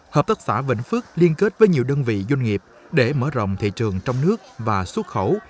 hợp tác xã vĩnh phước liên kết với nhiều đơn vị doanh nghiệp để mở rộng thị trường trong nước và xuất khẩu